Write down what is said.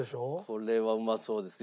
これはうまそうです